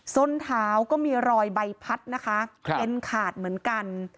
ส้นเท้าก็มีรอยใบพัดนะคะเอ็นขาดเหมือนกัน